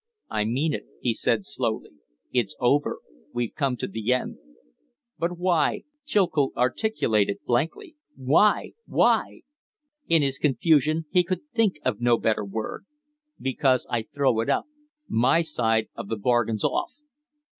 "I mean it," he said, slowly. "It's over; we've come to the end." "But why?" Chilcote articulated, blankly. "Why? Why?" In his confusion he could think of no better word. "Because I throw it up. My side of the bargain's off!"